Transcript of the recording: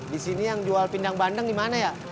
disini yang jual pindang bandeng dimana ya